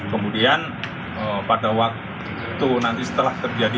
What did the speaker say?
kemudian pada waktu nanti setelah terjadi komisi